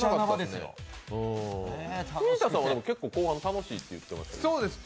藤田さんは、結構後半楽しいって言ってましたね。